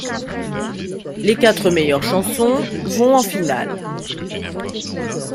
Les quatre meilleures chansons vont en finale.